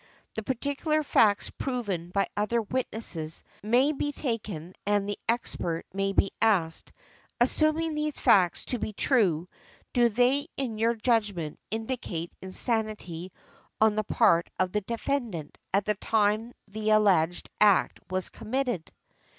The particular facts proven by other witnesses may be taken and the expert may be asked "assuming these facts to be true, do they in your judgment indicate insanity on the part of the defendant at the time the alleged act was committed?"